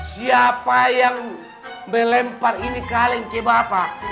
siapa yang melempar ini kaleng ke bapak